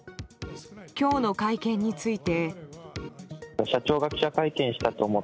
今日の会見について。